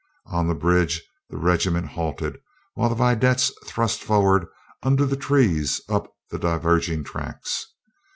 On the bridge the regiment halted while the vedettes thrust forward under the trees up the diverging tracks.